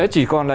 chỉ còn là